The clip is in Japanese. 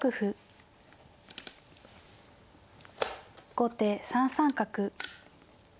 後手３三角。